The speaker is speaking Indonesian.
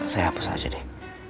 saya hapus aja deh